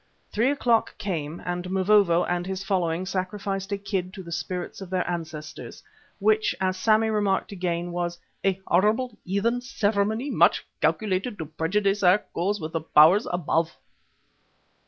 Three o'clock came and Mavovo and his following sacrificed a kid to the spirits of their ancestors, which, as Sammy remarked again, was "a horrible, heathen ceremony much calculated to prejudice our cause with Powers Above."